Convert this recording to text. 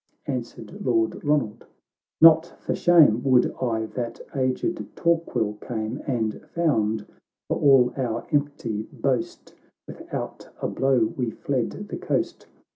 — Answered Lord Eonald, "Not for shame Would I that aged Torquil came, And found, for all our empty boast, Without a blow we fled the coast.